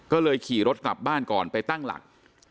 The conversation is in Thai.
ก็เลยขี่รถกลับบ้านก่อนไปตั้งหลัก